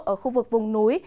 ở khu vực vùng núi